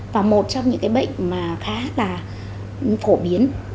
và một trong những bệnh khá là phổ biến